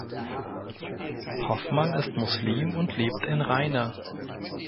Hoffmann ist Muslim und lebt in Rheine.